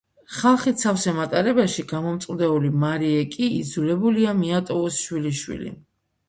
ხალხით სავსე მატარებელში გამომწყვდეული მარიე კი იძულებულია მიატოვოს შვილიშვილი.